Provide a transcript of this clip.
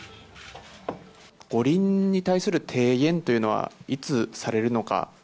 五輪に対する提言というのは、いつされるのか。